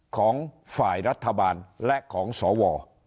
ของฝ่ายรัฐบาลและของสว